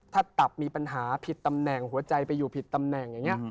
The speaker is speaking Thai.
ถ้าตับมีปัญหาผิดตำแหน่งหัวใจไปอยู่ผิดตำแหน่งอย่างนี้